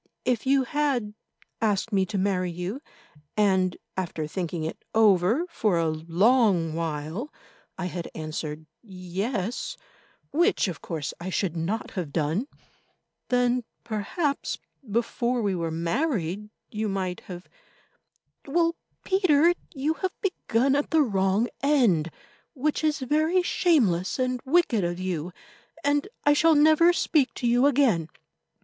If you had asked me to marry you, and, after thinking it over for a long while, I had answered Yes, which of course I should not have done, then, perhaps, before we were married you might have—Well, Peter, you have begun at the wrong end, which is very shameless and wicked of you, and I shall never speak to you again."